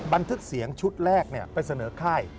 บันทึกเสียงชุดแรกไปเสนอค่าย